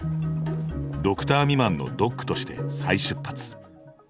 ドクター未満のドックとして再出発。